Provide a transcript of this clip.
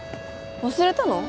忘れたの？